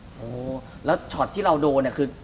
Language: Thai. โอ้โหแล้วช็อตที่เราโดนเนี่ยคือ